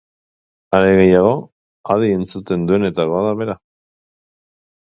Are gehiago, adi entzuten duenetakoa da bera.